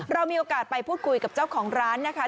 เรามีโอกาสไปพูดคุยกับเจ้าของร้านนะคะ